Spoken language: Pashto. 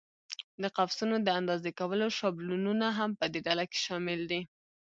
د قوسونو د اندازې کولو شابلونونه هم په دې ډله کې شامل دي.